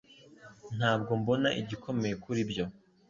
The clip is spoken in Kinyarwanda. Ntabwo mbona igikomeye kuri ibyo